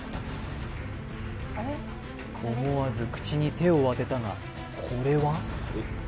思わず口に手を当てたがこれは？